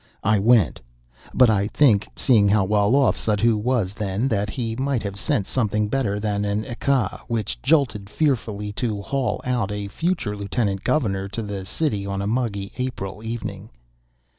I went; but I think, seeing how well off Suddhoo was then, that he might have sent something better than an ekka, which jolted fearfully, to haul out a future Lieutenant Governor to the City on a muggy April evening.